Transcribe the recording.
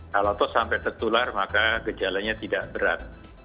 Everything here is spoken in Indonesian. kalau toh sampai tertular maka gejalanya tidak berat